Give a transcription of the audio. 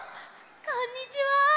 こんにちは！